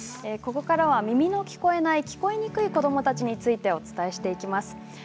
ここからは耳の聞こえない聞こえにくい子どもたちについてお伝えしていきます。